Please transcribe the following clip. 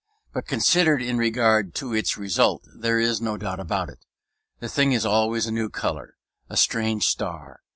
But considered in regard to its results there is no doubt about it. The thing is always a new color; a strange star.